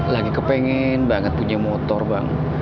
lagi kepengen banget punya motor bang